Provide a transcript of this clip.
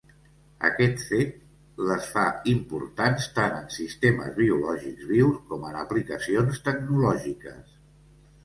Aquest fet les fa importants tant en sistemes biològics vius com en aplicacions tecnològiques.